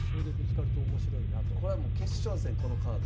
これはもう決勝戦このカード。